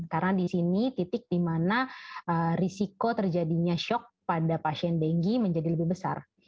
karena disini titik di mana risiko terjadinya shock pada pasien denggi menjadi lebih besar